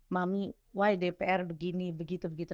mami why dpr begini begitu begitu